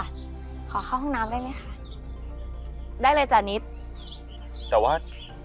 ขอเข้าห้องน้ำได้ไหมคะได้เลยจ้ะนิดแต่ว่า